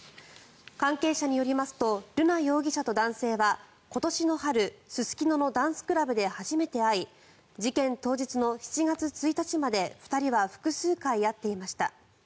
関係者によりますと瑠奈容疑者と男性は今年の春、すすきののダンスクラブで初めて会い事件当日の７月１日まで２人は複数回会っていました。